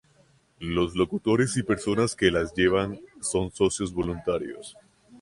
Los locutores y personas que la llevan son socios voluntarios.